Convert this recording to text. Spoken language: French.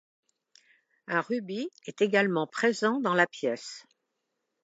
Un rubis est également présent dans la pièce.